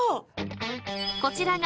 ［こちらが］